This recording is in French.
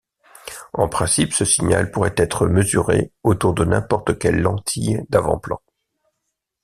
En principe, ce signal pourrait être mesuré autour de n'importe quelle lentille d'avant-plan.